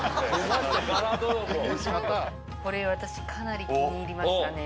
これ私かなり気に入りましたね。